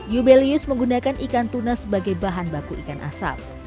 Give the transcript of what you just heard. yubelius menggunakan ikan tuna sebagai bahan baku ikan asap